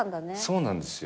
そうなんですよ。